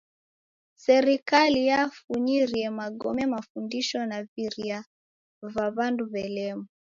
Serikali yafunyire magome, mafundisho naviria va w'andu w'elwa.